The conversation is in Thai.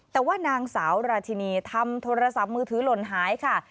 แต่ว่านางสาวราชินีทำโทรศัพท์มือถือหล่นหายค่ะ